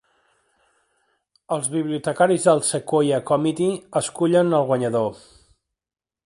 Els bibliotecaris del Sequoyah Committee escullen el guanyador.